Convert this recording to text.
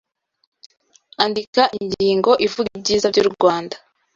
Andika ingingo ivuga ibyiza by’urwanda